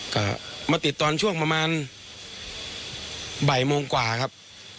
ก็มาติดตอนช่วงประมาณบ่ายโมงกว่าครับ